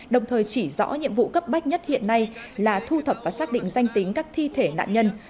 đồng thời chỉ rõ nhiệm vụ cấp bách nhất hiện nay là thu thập và xác định danh tính các thi thể nạn nhân